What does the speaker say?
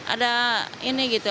ada ini gitu